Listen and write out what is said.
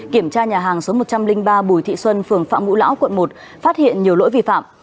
kiểm tra nhà hàng số một trăm linh ba bùi thị xuân phường phạm ngũ lão quận một phát hiện nhiều lỗi vi phạm